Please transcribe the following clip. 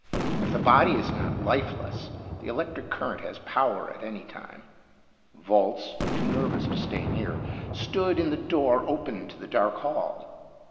If the body is not lifeless, the electric current has power at any time." Volz, too nervous to stay near, stood in the door open to the dark hall.